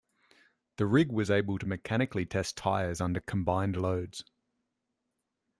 The rig was able to mechanically test tyres under combined loads.